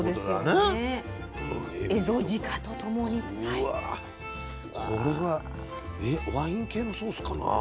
うわこれはワイン系のソースかな？